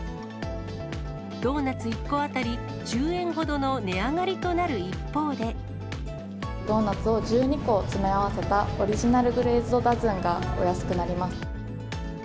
ドーナツ１個当たり１０円ほどの値上がりとなる一方で、ドーナツを１２個詰め合わせた、オリジナル・グレーズドダズンがお安くなります。